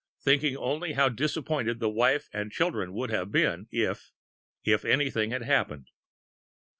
thinking only how disappointed the wife and children would have been if if anything had happened....